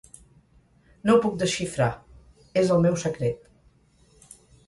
No ho puc desxifrar". "És el meu secret".